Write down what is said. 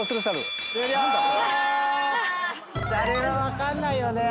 あれは分かんないよね。